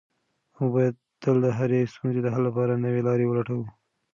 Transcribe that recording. موږ باید تل د هرې ستونزې د حل لپاره نوې لاره ولټوو.